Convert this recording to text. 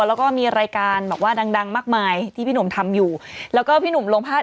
แล้วก็มีรายการแบบว่าดังดังมากมายที่พี่หนุ่มทำอยู่แล้วก็พี่หนุ่มลงภาพ